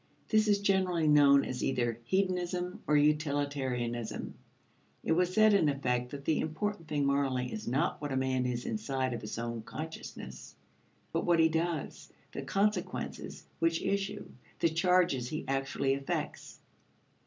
This is generally known as either hedonism or utilitarianism. It was said in effect that the important thing morally is not what a man is inside of his own consciousness, but what he does the consequences which issue, the charges he actually effects.